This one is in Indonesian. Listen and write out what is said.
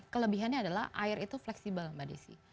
kelebihannya adalah air itu fleksibel mbak desy